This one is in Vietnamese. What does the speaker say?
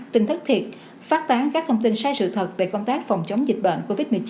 tin thất thiệt phát tán các thông tin sai sự thật về công tác phòng chống dịch bệnh covid một mươi chín